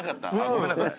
ごめんなさい。